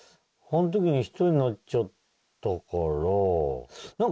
あの時に１人になっちゃったから。